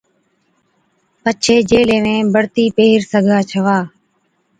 پڇي جين ليوين بڙي بڙتِي پيهر سِگھا ڇَوا۔